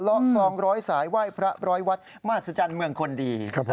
ละคลองร้อยสายไหว้พระร้อยวัดมหัศจรรย์เมืองคนดี